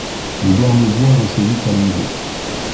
Le guernesiais ressaisit sa longue-vue.